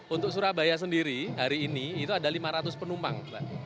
untuk surabaya sendiri hari ini itu ada lima ratus penumpang